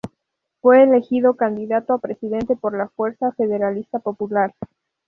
Fue elegido candidato a Presidente por la Fuerza Federalista Popular.